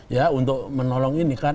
ya untuk menolong ini kan